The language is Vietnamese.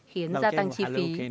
khiến gia tăng chi phí